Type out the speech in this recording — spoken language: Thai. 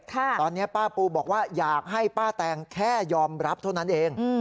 ตอนนี้ป้าปูบอกว่าอยากให้ป้าแตงแค่ยอมรับเท่านั้นเอง